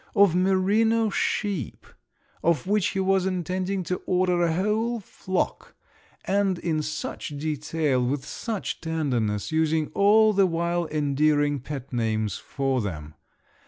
Of merino sheep, of which he was intending to order a whole flock, and in such detail, with such tenderness, using all the while endearing pet names for them.